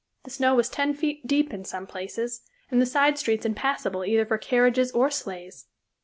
The snow was ten feet deep in some places, and the side streets impassable either for carriages or sleighs.